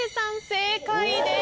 正解です。